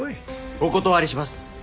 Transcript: お断りします。